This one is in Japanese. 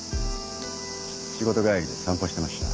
仕事帰りで散歩してました。